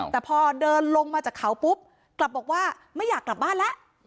แต่พอเดินลงมาจากเขาปุ๊บกลับบอกว่าไม่อยากกลับบ้านแล้ว